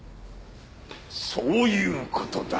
そういう事だ。